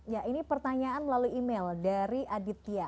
ya ini pertanyaan melalui email dari aditya